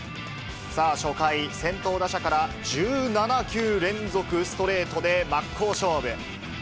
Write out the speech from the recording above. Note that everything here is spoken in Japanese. さあ、初回、先頭打者から１７球連続ストレートで真っ向勝負。